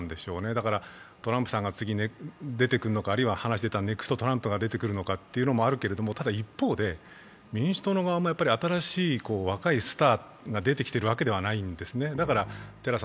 だから、トランプさんが次に出てくるのか、あるいはネクストトランプが出てくるのかというのもあるけれどもただ、一方で民主党の側も新しい若いスターが出てきているわけではないんですね。